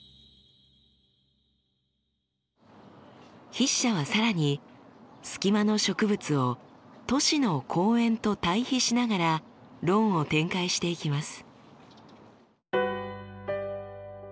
筆者は更にスキマの植物を都市の公園と対比しながら論を展開していきます。